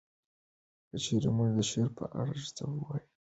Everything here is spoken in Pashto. که چیري مونږ د شعر په اړه څه ووایو باید لومړی پوه شو